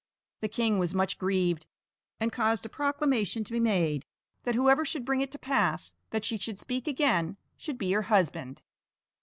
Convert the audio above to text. The king was much grieved, and caused a proclamation to be made that whoever should bring it to pass that she should speak again, should be her husband.